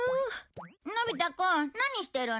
のび太くん何してるの？